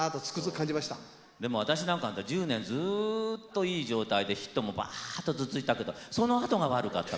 でも私なんか１０年ずっといい状態でヒットもバッと続いたけどそのあとが悪かったから。